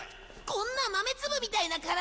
こんな豆粒みたいな体で？